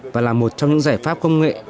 và là một trong những giải pháp công nghệ